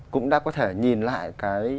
cũng đã có thể nhìn lại cái